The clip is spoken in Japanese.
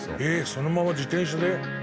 そのまま自転車で？